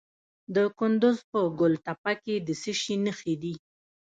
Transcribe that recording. د کندز په ګل تپه کې د څه شي نښې دي؟